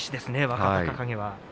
若隆景は。